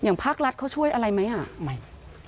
อย่างภาครัฐเขาช่วยอะไรไหม